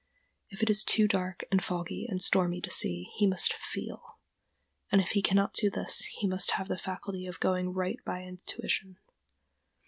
If it is too dark and foggy and stormy to see, he must feel; and if he cannot do this he must have the faculty of going right by intuition.